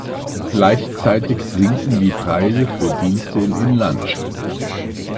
Gleichzeitig sinken die Preise für Dienste im Inland.